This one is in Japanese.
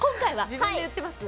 自分で言ってます。